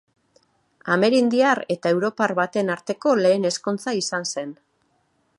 Amerindiar eta europar baten arteko lehen ezkontza izan zen.